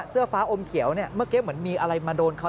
เสื้อฟ้าอมเขวเมื่อกี้เหมือนมีอะไรมาโดนเขาแล้ว